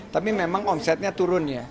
tapi memang omsetnya turun ya